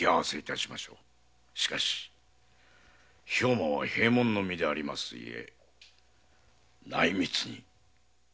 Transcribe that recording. しかし兵馬は閉門の身であります故内密に。